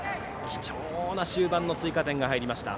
貴重な終盤の追加点が入りました。